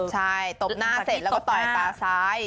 ใช่ตบหน้าเสร็จแล้วก็ต่อยตาซ้าย